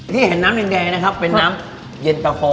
ที่เห็นน้ำแดงนะครับเป็นน้ำเย็นตะโฟ